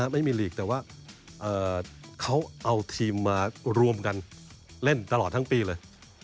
ไม่มีหลีกแต่ว่าเขาเอาทีมมารวมกันเล่นตลอดทั้งปีเลย